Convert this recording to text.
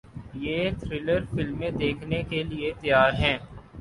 یہ تھرلر فلمیں دیکھنے کے لیے تیار ہیں